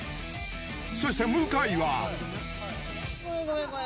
そして向井は。